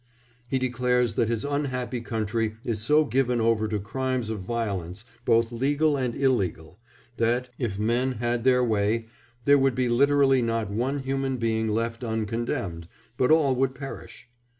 He declares that his unhappy country is so given over to crimes of violence, both legal and illegal, that, if men had their way, there would be literally not one human being left uncondemned, but all would perish.